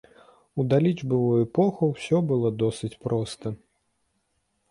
У далічбавую эпоху ўсё было досыць проста.